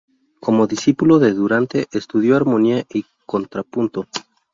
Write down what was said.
Como discípulo de Durante, estudió armonía y contrapunto.